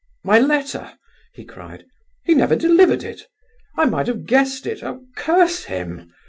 my letter?" he cried. "He never delivered it! I might have guessed it, oh! curse him!